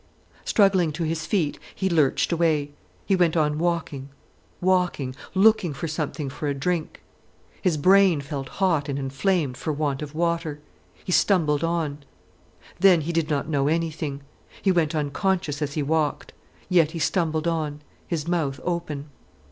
Struggling to his feet, he lurched away. He went on walking, walking, looking for something for a drink. His brain felt hot and inflamed for want of water. He stumbled on. Then he did not know anything. He went unconscious as he walked. Yet he stumbled on, his mouth open.